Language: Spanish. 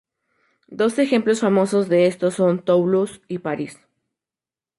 Dos ejemplos famosos de esto son Toulouse y París.